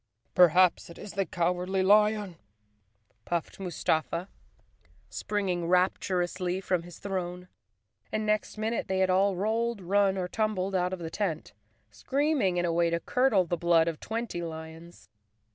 "Perhaps it is the Cowardly Lion," puffed Mustafa, springing rapturously from his throne, and next min¬ ute they had all rolled, run or tumbled out of the tent, screaming in a way to curdle the blood of twenty lions.